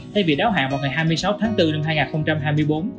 thay vì đáo hạn vào ngày hai mươi sáu tháng bốn năm hai nghìn hai mươi bốn